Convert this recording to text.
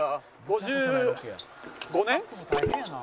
５５年？